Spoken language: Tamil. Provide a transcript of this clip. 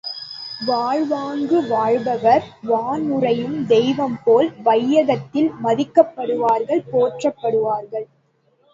வாழ் வாங்கு வாழ்பவர் வானுறையும் தெய்வம்போல் வையகத்தில் மதிக்கப்படுவார்கள் போற்றப்படுவார்கள்.